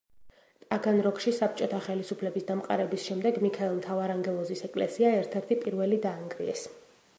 ტაგანროგში საბჭოთა ხელისუფლების დამყარების შემდეგ მიქაელ მთავარანგელოზის ეკლესია ერთ-ერთი პირველი დაანგრიეს.